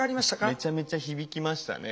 めちゃめちゃ響きましたね。